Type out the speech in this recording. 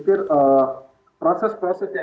itu sangat menarik cara untuk bagaimana kita melakukan